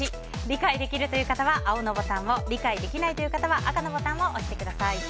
理解できるという方は青のボタンを理解できないという方は赤のボタンを押してください。